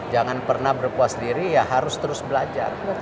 jangan pernah berpuas diri ya harus terus belajar